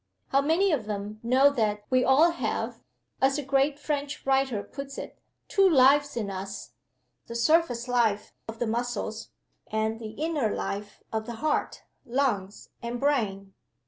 How many of them know that we all have (as a great French writer puts it) two lives in us the surface life of the muscles, and the inner life of the heart, lungs, and brain?